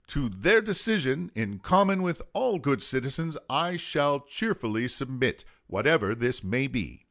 To their decision, in common with all good citizens, I shall cheerfully submit, whatever this may be."